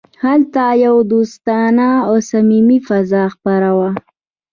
هلته یوه دوستانه او صمیمي فضا خپره وه